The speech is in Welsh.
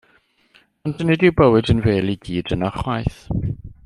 Ond nid yw bywyd yn fêl i gyd yno ychwaith.